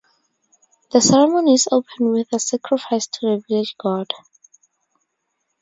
The ceremonies open with a sacrifice to the village god.